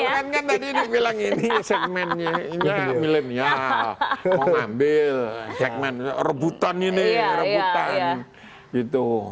tuh kan tadi dia bilang ini segmennya milenial mau ambil segmen rebutan ini rebutan gitu